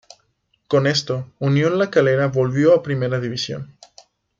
Con esto, Unión La Calera volvió a Primera División.